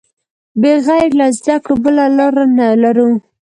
بغیر له زده کړو بله لار نه لرو.